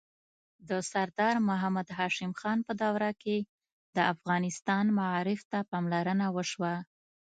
د سردار محمد هاشم خان په دوره کې د افغانستان معارف ته پاملرنه وشوه.